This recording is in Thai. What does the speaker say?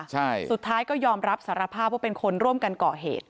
ใช่สุดท้ายก็ยอมรับสารภาพว่าเป็นคนร่วมกันก่อเหตุ